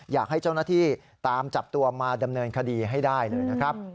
อยากให้เจ้าหน้าที่ตามจับตัวมาดำเนินคดีให้ได้เลยนะครับ